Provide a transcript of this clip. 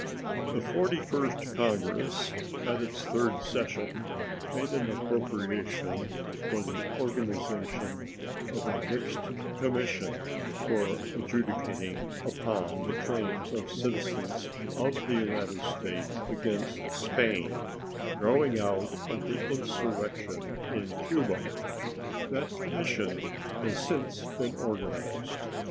The Forty first Congress, at its third session, made an appropriation for the organization of a mixed commission for adjudicating upon the claims of citizens of the United States against Spain growing out of the insurrection in Cuba. That commission has since been organized.